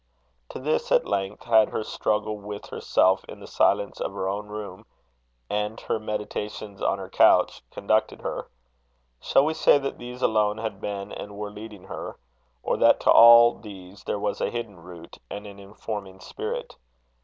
To this, at length, had her struggle with herself in the silence of her own room, and her meditations on her couch, conducted her. Shall we say that these alone had been and were leading her? Or that to all these there was a hidden root, and an informing spirit?